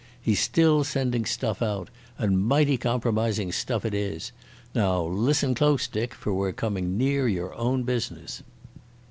He's still sending stuff out, and mighty compromising stuff it is. Now listen close, Dick, for we're coming near your own business."